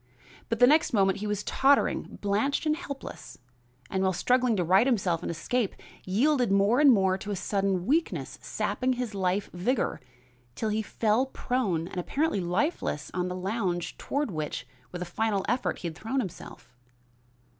But the next moment he was tottering, blanched and helpless, and while struggling to right himself and escape, yielded more and more to a sudden weakness sapping his life vigor, till he fell prone and apparently lifeless on the lounge toward which, with a final effort, he had thrown himself.